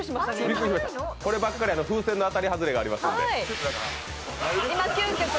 こればっかりは風船の当たり外れがありますので。